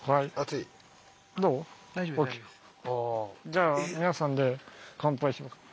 じゃあ皆さんで乾杯しましょう。